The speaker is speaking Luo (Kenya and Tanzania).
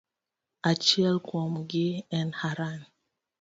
Achiel kuomgi en Haran.